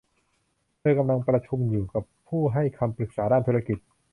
เธอกำลังประชุมอยู่กับผู้ให้คำปรึกษาด้านธุรกิจ